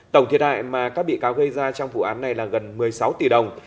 tổng thiệt hại mà các bị cáo gây ra trong vụ án này là gần một mươi sáu tỷ đồng